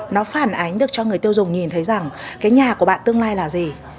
nó phản ánh được cho người tiêu dùng nhìn thấy rằng cái nhà của bạn tương lai là gì